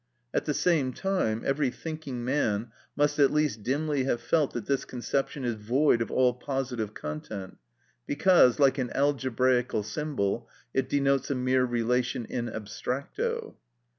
At the same time, every thinking man must at least dimly have felt that this conception is void of all positive content, because, like an algebraical symbol, it denotes a mere relation in abstracto.